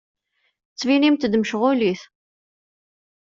Ttettbinemt-d mecɣulit.